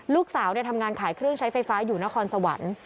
ลูกสาวทำงานขายเครื่องใช้ไฟฟ้าอยู่นครสวรรค์